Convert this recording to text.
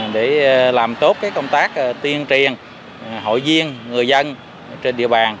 để làm tốt công tác tuyên truyền hội viên người dân trên địa bàn